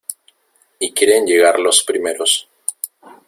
y quieren llegar los primeros.